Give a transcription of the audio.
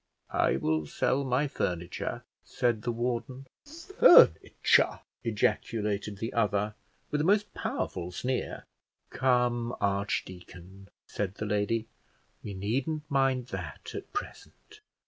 "I will sell my furniture," said the warden. "Furniture!" ejaculated the other, with a most powerful sneer. "Come, archdeacon," said the lady, "we needn't mind that at present.